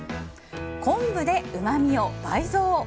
昆布でうまみを倍増！